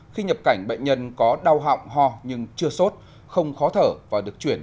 khi nhập cảnh bệnh nhân có đau họng ho nhưng chưa sốt không khó thở và được chuyển